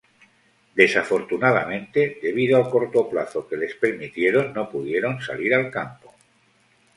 Desafortunadamente, debido al corto plazo que les permitieron, no pudieron salir al campo.